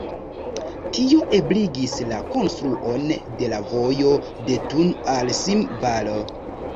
Tio ebligis la konstruon de la vojo de Thun al Simme-Valo.